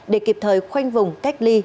để kịp thời khoanh vùng cách ly